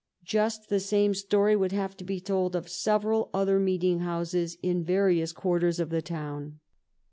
Just the same story would hate to be told of several other meeting houses in various quarters of the town.